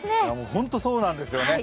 本当にそうなんですよね